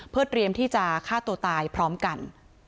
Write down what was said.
เพื่อเตรียมที่จะฆ่าตัวตายพร้อมกัน